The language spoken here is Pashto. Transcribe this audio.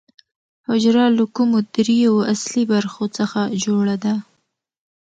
حجره له کومو درېیو اصلي برخو څخه جوړه ده